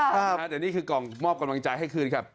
เดี๋ยวนี่คือกล่องมอบกำลังใจให้คืนครับ